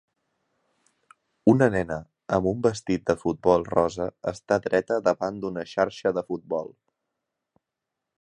Una nena amb un vestit de futbol rosa està dreta davant d'una xarxa de futbol.